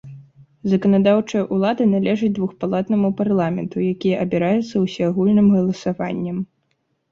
Заканадаўчая ўлада належыць двухпалатнаму парламенту, які абіраецца ўсеагульным галасаваннем.